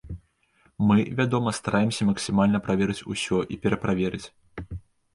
Мы, вядома, стараемся максімальна праверыць усё і пераправерыць.